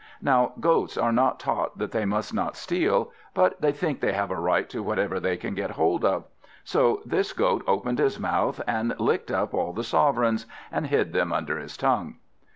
Now, Goats are not taught that they must not steal, but they think they have a right to whatever they can get hold of; so this Goat opened his mouth, and licked up all the sovereigns, and hid them under his tongue.